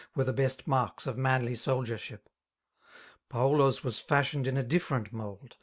Were the l^est marks of manly soldiership. Paulo's was fashioned in a different mould.